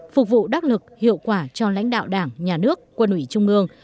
phục vụ đắc lực hiệu quả cho lãnh đạo đảng nhà nước quân ủy trung ương